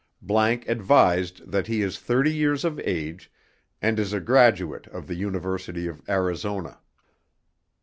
____ advised that he is thirty years of age and is a graduate of the University of Arizona.